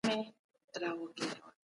د ټولني وده د تاریخ په اوږدو کي روانه ده.